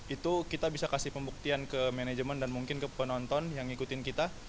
itu kita bisa kasih pembuktian ke manajemen dan mungkin ke penonton yang ngikutin kita